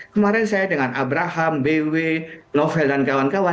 kemarin saya dengan abraham bw dan banyak lagi